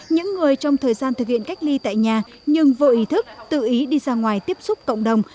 những người trong thời gian thực hiện cách ly tại nhà nhưng vô ý thức tự ý đi ra ngoài tiếp xúc cộng đồng